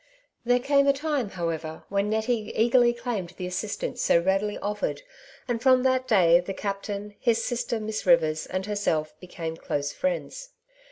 There came a time, however, when Nettie eagerly claimed the assistance so readily offered, and from that day the captain, his sister Miss Rivers, and herself, became close friends.